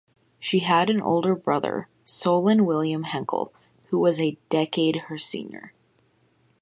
She had an older brother, Solon William Henkel, who was a decade her senior.